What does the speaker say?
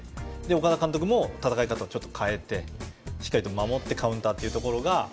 岡田監督も戦い方を変えてしっかり守ってカウンターというところが。